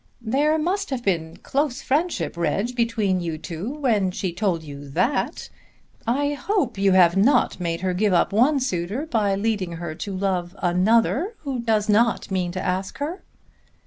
"There must have been close friendship, Reg, between you two when she told you that. I hope you have not made her give up one suitor by leading her to love another who does not mean to ask her."